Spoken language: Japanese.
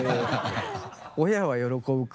親は喜ぶか。